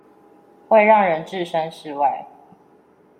會讓人置身事外